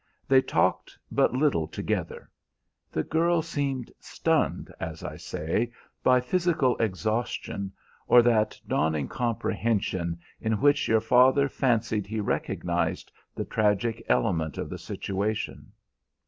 They talked but little together. The girl seemed stunned, as I say, by physical exhaustion or that dawning comprehension in which your father fancied he recognized the tragic element of the situation.